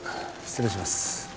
失礼します。